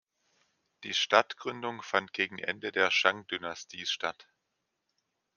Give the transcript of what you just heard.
Die Stadtgründung fand gegen Ende der Shang-Dynastie statt.